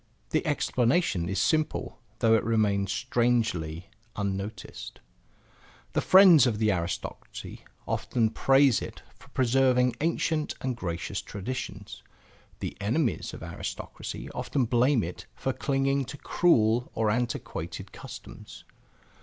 The explanation is simple though it remains strangely unnoticed. The friends of aristocracy often praise it for preserving ancient and gracious traditions. The enemies of aristocracy often blame it for clinging to cruel or antiquated customs.